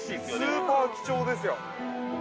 ◆スーパー貴重ですよ。